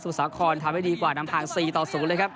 สวสาของทำให้ดีกว่านำผ่าน๔๐เลยครับ